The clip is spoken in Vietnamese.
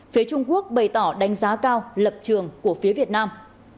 phía trung quốc bày tỏ đánh giá cao lập trường của phía việt nam